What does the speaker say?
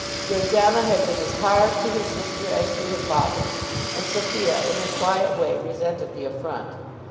Georgiana had been as hard to her sister as to her father, and Sophia in her quiet way resented the affront.